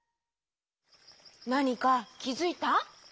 なにかきづいた？